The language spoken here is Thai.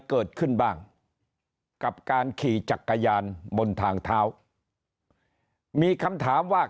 เกิดขึ้นบ้างกับการขี่จักรยานบนทางเท้ามีคำถามว่า